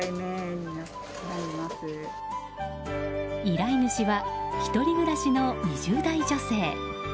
依頼主は１人暮らしの２０代女性。